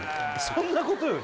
そんなことより？